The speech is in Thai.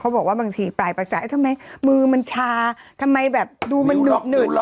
บอกว่าบางทีปลายประสาททำไมมือมันชาทำไมแบบดูมันหนึด